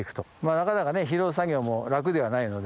なかなか拾う作業も楽ではないので。